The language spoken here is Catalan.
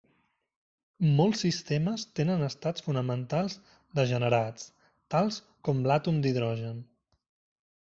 Molts sistemes tenen estats fonamentals degenerats, tals com l'àtom d'hidrogen.